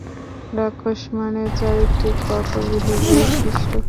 রাক্ষস মানে চারিত্রিক কতকগুলি বৈশিষ্ট্য।